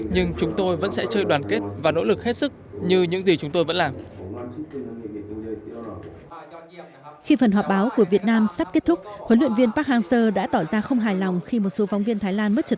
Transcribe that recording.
nhưng chúng tôi vẫn sẽ chơi đoàn kết và nỗ lực hết sức như những gì chúng tôi vẫn làm